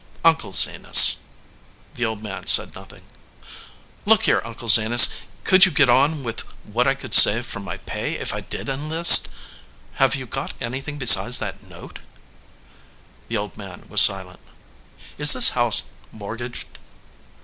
"Uncle Zenas " The old man said nothing. "Look here, Uncle Zenas, could you get on with what I could save from my pay if I did enlist? Have you got anything besides that note?" The old man was silent. "Is this house mortgaged?"